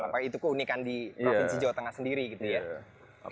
apakah itu keunikan di provinsi jawa tengah sendiri gitu ya